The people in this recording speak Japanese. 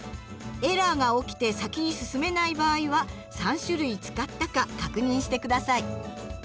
エラーが起きて先に進めない場合は３種類使ったか確認して下さい。